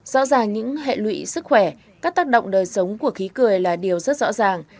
rõ ràng những hệ lụy sức khỏe các tác động đời sống của khí cười là điều rất rõ ràng